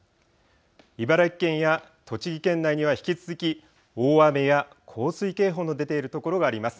茨城県や栃木県内には引き続き大雨や洪水警報の出ている所があります。